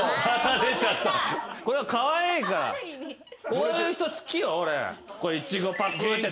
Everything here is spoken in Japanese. こういう人好きよ